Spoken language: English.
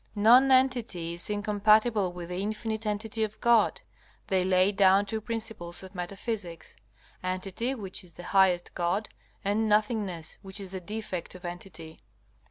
Nonentity is incompatible with the infinite entity of God. They lay down two principles of metaphysics, entity which is the highest God, and nothingness which is the defect of entity.